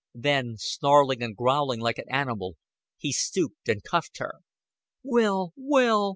Then, snarling and growling like an animal, he stooped and cuffed her. "Will!" "Will!"